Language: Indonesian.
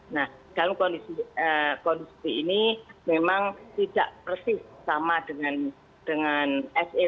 nah dalam kondisi ini memang tidak persis sama dengan se